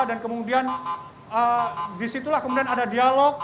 dan kemudian di situlah kemudian ada dialog